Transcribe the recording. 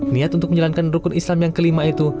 niat untuk menjalankan rukun islam yang kelima itu